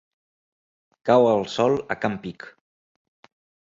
Cau el sol a can Pich.